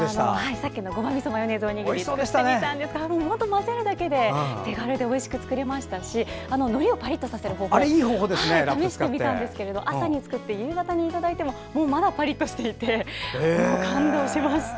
さっきのごまみそマヨネーズおにぎり作ってみたんですが本当に混ぜるだけで手軽でおいしく作れましたしのりをパリッとさせる方法を試してみたんですけど朝に作って夕方にいただいてもまだパリッとしていて感動しました。